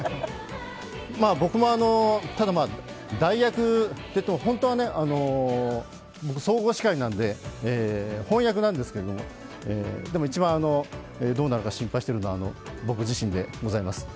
僕も、ただ、代役といっても本当は総合司会なんで、本役なんですけど、でも一番どうなるか心配しているのは僕自身でございます。